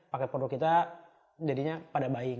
paket produk kita jadinya pada buying